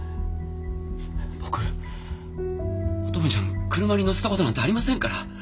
僕乙女ちゃんを車に乗せた事なんてありませんから。